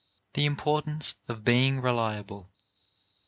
THE IMPORTANCE OF BEING RE LIABLE.